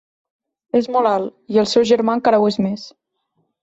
És molt alt, i el seu germà encara ho és més.